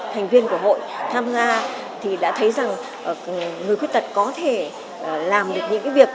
thành viên của hội tham gia thì đã thấy rằng người khuyết tật có thể làm được những việc